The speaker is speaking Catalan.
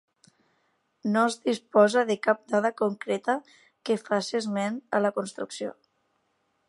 No es disposa de cap dada concreta que faci esment a la construcció.